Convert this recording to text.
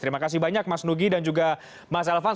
terima kasih banyak mas nugi dan juga mas elvan